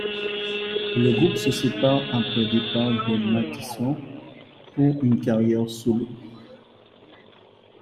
Le groupe se sépare après le départ de Mattisson pour une carrière solo.